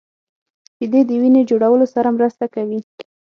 شیدې د وینې جوړولو سره مرسته کوي